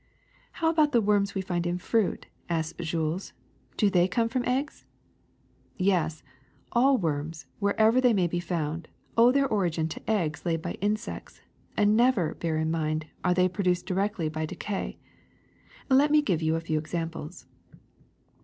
*^How about the worms we find in fruit?" asked Jules. *^Do they too come from eggs?" *^Yes, all worms, wherever they may be found, owe their origin to eggs laid by insects ; and never, bear in mind, are they produced directly by decay. Let me give you a few examples.